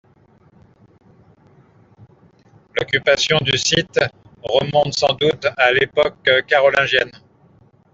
L'occupation du site remonte sans doute à l'époque carolingienne.